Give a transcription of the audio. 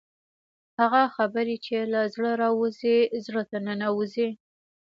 هغه خبرې چې له زړه راوځي زړه ته ننوځي.